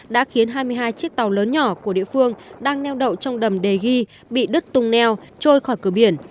đã khiến hai mươi hai chiếc tàu lớn nhỏ của địa phương đang neo đậu trong đầm đề ghi bị đứt tung neo trôi khỏi cửa biển